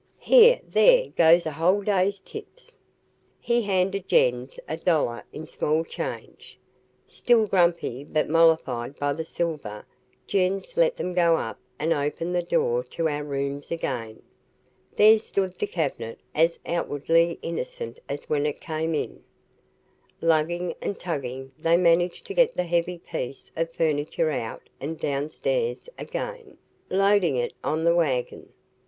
"Here there goes a whole day's tips." He handed Jens a dollar in small change. Still grumpy but mollified by the silver Jens let them go up and opened the door to our rooms again. There stood the cabinet, as outwardly innocent as when it came in. Lugging and tugging they managed to get the heavy piece of furniture out and downstairs again, loading it on the wagon.